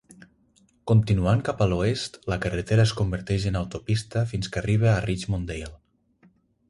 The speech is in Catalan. Continuant cap a l'oest, la carretera es converteix en autopista fins que arriba a Richmond Dale.